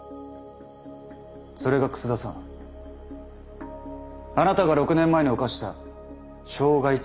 それが楠田さんあなたが６年前に犯した傷害致死事件でしたね。